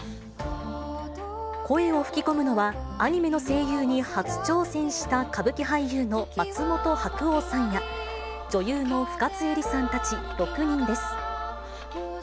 声を吹き込むのは、アニメの声優に初挑戦した歌舞伎俳優の松本白鸚さんや、女優の深津絵里さんたち６人です。